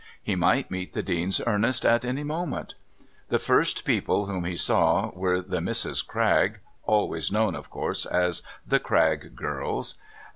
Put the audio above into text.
He might meet the Dean's Ernest at any moment. The first people whom he saw were the Misses Cragg always known, of course, as "The Cragg girls."